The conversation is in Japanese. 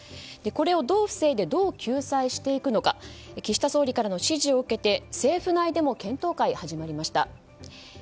これをどう防いでどう救済していくのか岸田総理からの指示を受けて政府内でも検討会が始まりました。